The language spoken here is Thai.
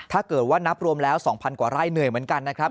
ถ้าเกิดว่านับรวมแล้ว๒๐๐กว่าไร่เหนื่อยเหมือนกันนะครับ